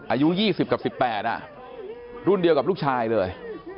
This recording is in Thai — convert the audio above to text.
อายุ๒๐กับ๑๘รุ่นเดียวกับลูกชายเลย